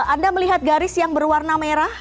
anda melihat garis yang berwarna merah